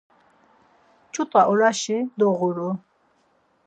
Ç̌ut̆a oraşi, doğuru.